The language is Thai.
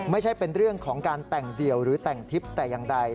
ไม่ใช่เป็นเรื่องของการแต่งเดี่ยวหรือแต่งทิพย์แต่อย่างใด